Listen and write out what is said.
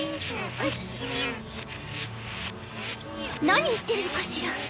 何言ってるのかしら？